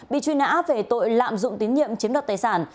bị truy nã về tội lạm dụng tín nhiệm chiếm đoạt tài sản